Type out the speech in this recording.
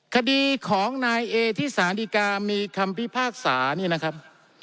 คดีของนายเอที่สารดีกามีคำพิพากษานี่นะครับ